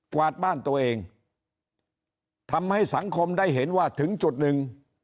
วาดบ้านตัวเองทำให้สังคมได้เห็นว่าถึงจุดหนึ่ง